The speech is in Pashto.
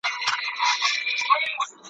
نه محتاجه د بادار نه د انسان یو ,